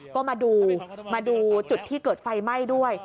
ก็มาดูมาดูจุดที่เกิดไฟไหม้ด้วย